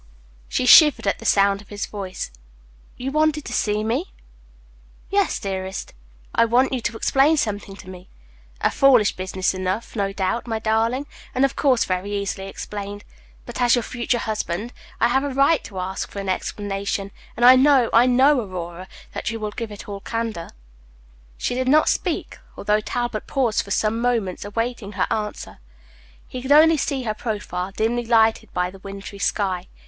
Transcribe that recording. She shivered at the sound of his voice. "You wanted to see me?" "Yes, dearest. I want you to explain something to me. A foolish business enough, no doubt, my darling, and, of course, very easily explained; but, as your future husband, I have a right to ask for an explanation; and I know, I know, Aurora, that you will give it in all candor." She did not speak, although Talbot paused for some moments, awaiting her answer. He could only see her profile, dimly lighted by the wintry sky.